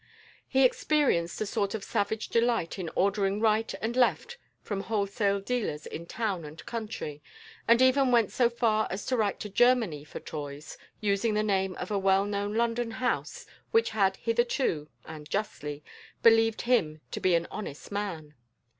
He experienced a sort of savage delight in ordering right and left from wholesale dealers in town and country, and even went so far as to write to Germany for toys, using the name of a well known London house which had hitherto (and justly) believed him to be an honest man.